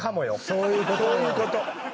そういうこと。